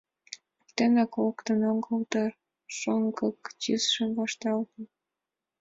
Поктенак луктын огытыл дыр? — шоҥгын тӱсыжат вашталтын.